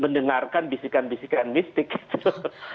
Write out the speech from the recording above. mendengarkan bisikan bisikan mistik gitu